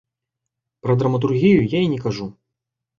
Пра драматургію я і не кажу.